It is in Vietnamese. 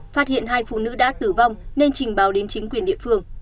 phát hiện hai phụ nữ đã tử vong nên trình báo đến chính quyền địa phương